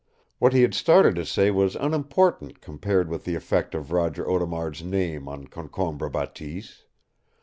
What he had started to say was unimportant compared with the effect of Roger Audernard's name on Concombre Bateese.